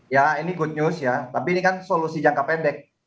ya ini good news ya tapi ini kan solusi jangka pendek